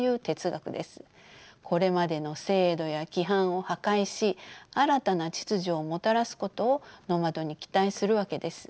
これまでの制度や規範を破壊し新たな秩序をもたらすことをノマドに期待するわけです。